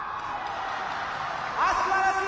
すばらしい！